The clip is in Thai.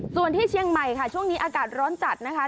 ส่วนที่เชียงใหม่ค่ะช่วงนี้อากาศร้อนจัดนะคะ